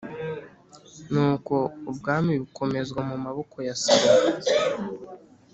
Nuko ubwami bukomezwa mu maboko ya Salomo..